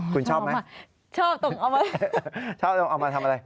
คุณชอบไหมชอบต้องเอามาชอบต้องเอามาทำอะไร